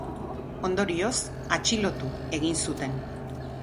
Ondorioz, atxilotu egin zuten.